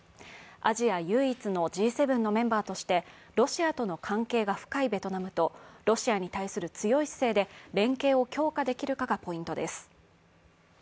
アジア唯一のＧ７のメンバーとして、ロシアとの関係が深いベトナムとロシアに対する強い姿勢で連携を強化できるかがポイントです。